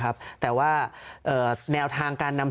เพราะถ้าเข้าไปอ่านมันจะสนุกมาก